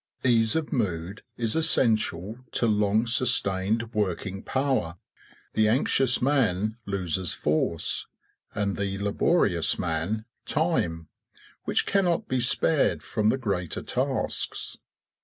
Ease of mood is essential to long sustained working power. The anxious man loses force, and the laborious man time, which cannot be spared from the greater tasks.